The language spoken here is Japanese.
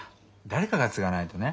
誰かが継がないとね。